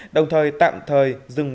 đồng thời tạm thời dừng